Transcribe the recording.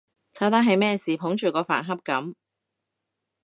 炒蛋係咩事捧住個飯盒噉？